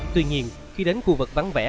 tuy nhiên khi đến khu vực vắng vẻ